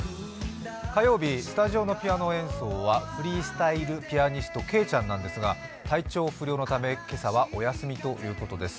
火曜日、スタジオのピアノ演奏はフリースタイルピアニストけいちゃんですが体調不良のため、今朝はお休みということです。